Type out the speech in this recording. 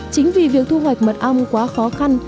chính vì việc thu hoạch mật ong quá khó khăn